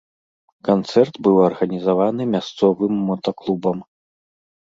Канцэрт быў арганізаваны мясцовым мотаклубам.